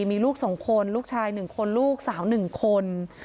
มีลูกสองคนลูกชายหนึ่งคนลูกสาวหนึ่งคน